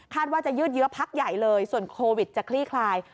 ว่าจะยืดเยอะพักใหญ่เลยส่วนโควิดจะคลี่คลาย